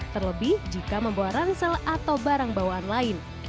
terlebih jika membawa ransel atau barang bawaan lain